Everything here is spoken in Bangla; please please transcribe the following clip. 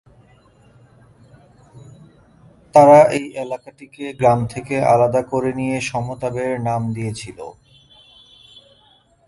তারা এই এলাকাটিকে গ্রাম থেকে আলাদা করে নিয়ে সমতাবেড় নাম দিয়েছিল।